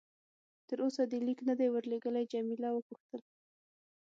تر اوسه دې لیک نه دی ورلېږلی؟ جميله وپوښتل.